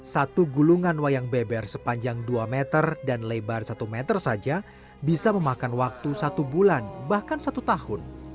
satu gulungan wayang beber sepanjang dua meter dan lebar satu meter saja bisa memakan waktu satu bulan bahkan satu tahun